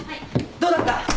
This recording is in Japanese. どうだった？